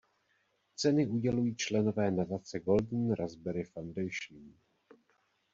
Ceny udělují členové nadace Golden Raspberry Foundation.